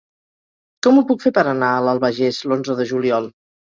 Com ho puc fer per anar a l'Albagés l'onze de juliol?